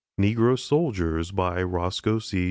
NEGRO SOLDIERS ROSCOE C.